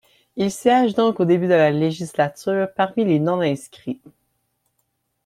Ils siègent donc au début de la législature parmi les non-inscrits.